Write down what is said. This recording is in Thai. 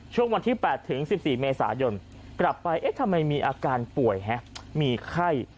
ช่วงวันที่๘ถึง๑๔เมษายนกลับไปเอ๊ะทำไมมีอาการป่วยมีไข้